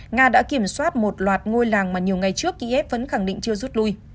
nga đã kiểm soát một loạt ngôi làng mà nhiều ngày trước iev vẫn khẳng định chưa rút lui